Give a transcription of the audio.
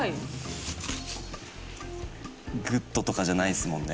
ＧＯＯＤとかじゃないですもんね。